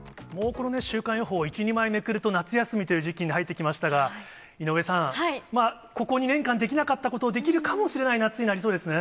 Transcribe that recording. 週間予報を１、２枚めくると夏休みという時期に入ってきましたが、井上さん、ここ２年間できなかったことをできる夏になりそうですね。